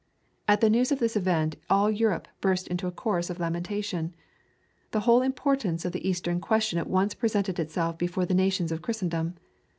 At the news of this event all Europe burst into a chorus of lamentation. The whole importance of the Eastern Question at once presented itself before the nations of Christendom.